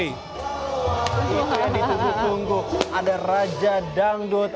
itu yang ditunggu tunggu ada raja dangdut